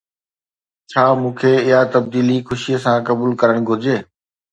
ڇا مون کي اها تبديلي خوشيءَ سان قبول ڪرڻ گهرجي؟